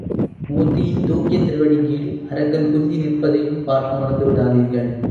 மூர்த்தியின் தூக்கிய திருவடிக் கீழ் அரக்கன் குன்றி நிற்பதையும் பார்க்க மறந்து விடாதீர்கள்.